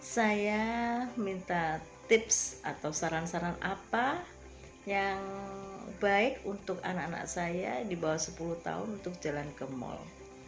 saya minta tips atau saran saran apa yang baik untuk anak anak saya di bawah sepuluh tahun untuk jalan ke mal